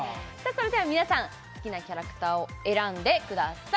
それでは皆さん好きなキャラクターを選んでください